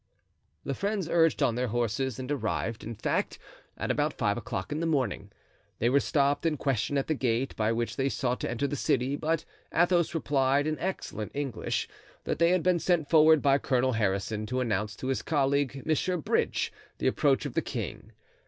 The friends urged on their horses and arrived, in fact, at about five o'clock in the morning. They were stopped and questioned at the gate by which they sought to enter the city, but Athos replied, in excellent English, that they had been sent forward by Colonel Harrison to announce to his colleague, Monsieur Bridge, the approach of the king.